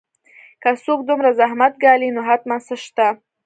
که څوک دومره زحمت ګالي نو حتماً څه شته